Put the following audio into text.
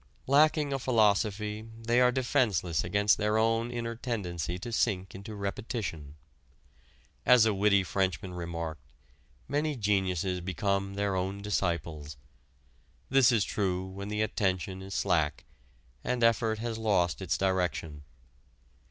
Lacking a philosophy they are defenceless against their own inner tendency to sink into repetition. As a witty Frenchman remarked, many geniuses become their own disciples. This is true when the attention is slack, and effort has lost its direction.